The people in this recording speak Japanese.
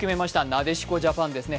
なでしこジャパンですね。